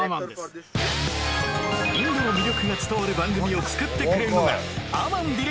インドの魅力が伝わる番組を作ってくれるのがアマンディレクター